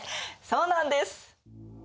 そうなんです。